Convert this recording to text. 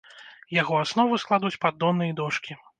Яго аснову складуць паддоны і дошкі.